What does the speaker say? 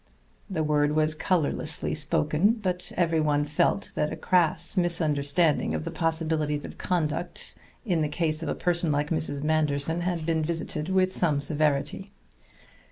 The word was colorlessly spoken; but everyone felt that a crass misunderstanding of the possibilities of conduct in the case of a person like Mrs. Manderson had been visited with some severity.